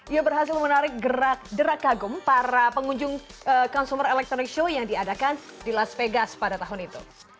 ia berhasil menarik gerak gerak kagum para pengunjung consumer electronic show yang diadakan di las vegas pada tahun itu